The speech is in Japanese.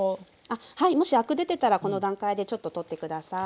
はいもしアク出てたらこの段階でちょっと取って下さい。